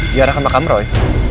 ziarah ke makam roy